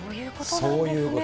そういうこと。